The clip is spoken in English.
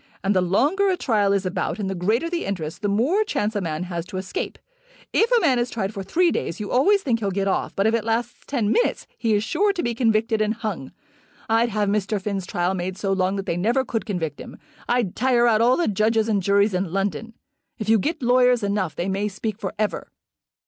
And the longer a trial is about and the greater the interest, the more chance a man has to escape. If a man is tried for three days you always think he'll get off, but if it lasts ten minutes he is sure to be convicted and hung. I'd have Mr. Finn's trial made so long that they never could convict him. I'd tire out all the judges and juries in London. If you get lawyers enough they may speak for ever."